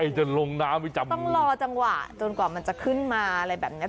จะลงน้ำไม่จำต้องรอจังหวะจนกว่ามันจะขึ้นมาอะไรแบบเนี้ย